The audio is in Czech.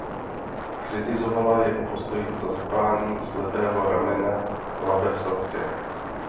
Kritizovala jeho postoj k zasypání slepého ramena Labe v Sadské.